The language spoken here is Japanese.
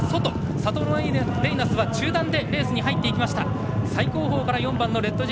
サトノレイナスは中団でレースに入っていきました。